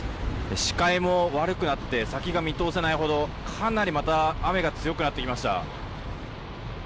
視界も悪くなって先が見通せないほどかなりまた雨が強くなってきました。